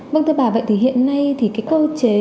vâng thưa bà vậy thì hiện nay thì cái cơ chế